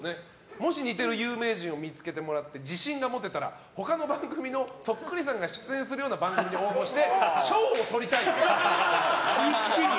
もし似てる有名人を見つけてもらって自信が持てたら他の番組の、そっくりさんが出演するような番組に応募して賞を取りたい。